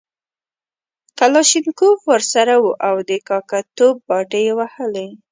کلاشینکوف ورسره وو او د کاکه توب باټې یې وهلې.